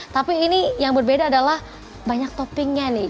tapi ini yang berbeda adalah banyak toppingnya nih